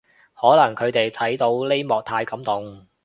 可能佢哋睇到呢幕太感動